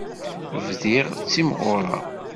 Bdiɣ ttimɣureɣ.